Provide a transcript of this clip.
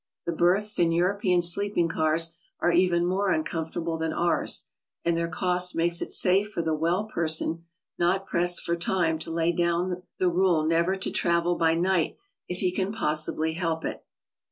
The 'berths in European sleeping cars are even more uncomfortable than ours, and their cost makes it . safe for the well person not pressed for time to lay down the rule never to travel by night if he can possibly help it.